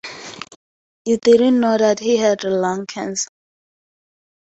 You did'nt know that he had lung cancer?